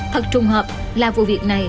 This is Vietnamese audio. thật trùng hợp là vụ việc này